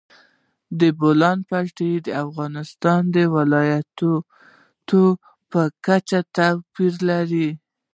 د بولان پټي د افغانستان د ولایاتو په کچه توپیر لري.